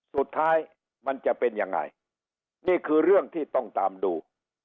สุดท้ายมันจะเป็นยังไงนี่คือเรื่องที่ต้องตามดู